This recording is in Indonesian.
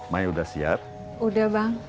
mai udah siap udah bang